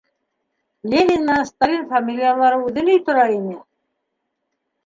Ленин менән Сталин фамилиялары үҙе ни тора ине!